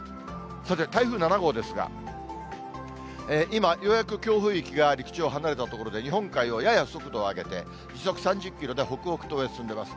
さて、台風７号ですが、今、ようやく強風域が陸地を離れた所で、日本海をやや速度を上げて、時速３０キロで北北東へ進んでいます。